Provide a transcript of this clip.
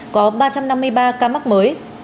có ba trăm năm mươi ba ca mắc mới